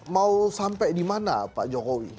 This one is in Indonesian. mau sampai di mana pak jokowi